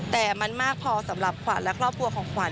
แต่มันมากพอสำหรับขวัญและครอบครัวของขวัญ